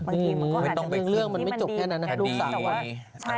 ไม่ต้องเป็นเรื่องมันไม่จบแค่นั้นนะ